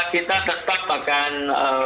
kita tetap akan